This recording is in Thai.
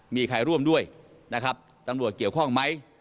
มีใครร่วมด้วยนะครับตำรวจเกี่ยวข้องไหม